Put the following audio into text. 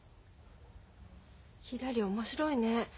ひらり面白いね。